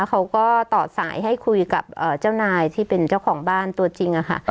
เขาก็ต่อสายให้คุยกับเจ้านายที่เป็นเจ้าของบ้านตัวจริงค่ะ